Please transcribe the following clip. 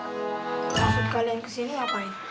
maksud kalian kesini ngapain